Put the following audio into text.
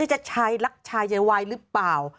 นี่จะชายรักชายใจวายหรือเปล่า